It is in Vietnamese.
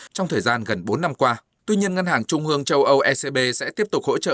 trong thời gian gần bốn năm qua tuy nhiên ngân hàng trung ương châu âu ecb sẽ tiếp tục hỗ trợ